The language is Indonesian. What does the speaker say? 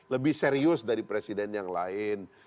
lebih serius dari presiden yang lain